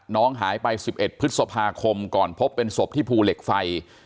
น้องหายไป๑๑พฤษภาคมก่อนพบเป็นศพที่ภูเหล็กไฟ